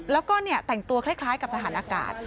แล้วก็แต่งตัวคล้ายกับทหารอากาศ